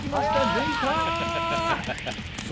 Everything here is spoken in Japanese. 抜いた！